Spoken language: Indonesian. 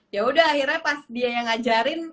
ya udah akhirnya pas dia yang ngajarin